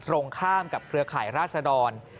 ตรงข้ามกับเครือข่ายราษดร